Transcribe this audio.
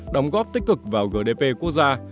đóng góp tích cực vào gdp quốc gia